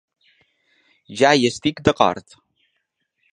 Ja hi estic d’acord.